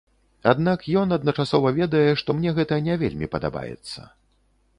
Аднак ён адначасова ведае, што мне гэта не вельмі падабаецца.